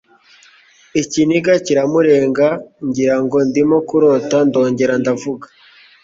ikiniga kiramurenga, ngira ngo ndimo kurota ndongere ndavuga